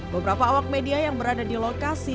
beberapa awak media yang berada di lokasi